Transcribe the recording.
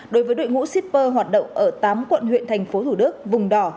đối với đội ngũ shipper hoạt động ở tám quận huyện thành phố thủ đức vùng đỏ